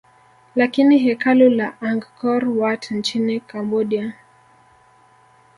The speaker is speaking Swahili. lakini hekalu la Angkor Wat nchini Cambodia